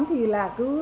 thì là cứ